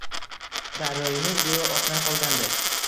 Daryomiz go’yo oqmay qolgandi.